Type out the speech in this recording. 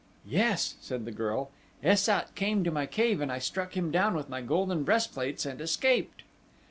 "Yes," said the girl, "Es sat came to my cave and I struck him down with my golden breastplates and escaped."